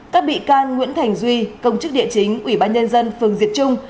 các bị can nguyễn thành duy công chức địa chính ủy ban nhân dân phường diệt trung